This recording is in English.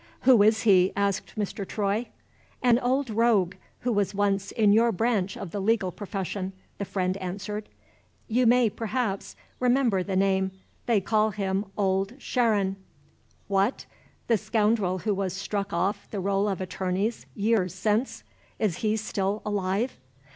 "Who is he?" asked Mr. Troy. "An old rogue, who was once in your branch of the legal profession," the friend answered. "You may, perhaps, remember the name: they call him 'Old Sharon.'" "What! The scoundrel who was struck off the Roll of Attorneys, years since? Is he still alive?"